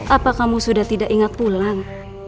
apa kamu sudah tidak ingat pulang